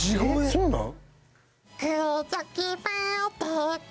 そうなん？